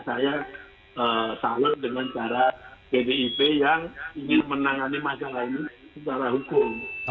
cuma kalau dua ini kuman dibenturkan maka ya dua duanya tidak akan bisa menyelesaikan masalah